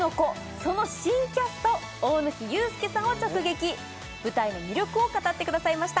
その新キャスト大貫勇輔さんを直撃舞台の魅力を語ってくださいました